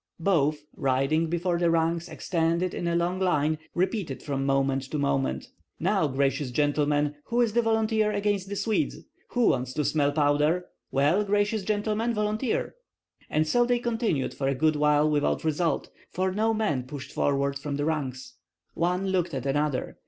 Both, riding before the ranks extended in a long line, repeated from moment to moment, "Now, gracious gentlemen, who is the volunteer against the Swedes? Who wants to smell powder? Well, gracious gentlemen, volunteer!" And so they continued for a good while without result, for no man pushed forward from the ranks. One looked at another.